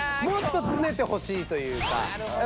もっとつめてほしいというか。